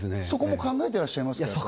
そこも考えてらっしゃいますか？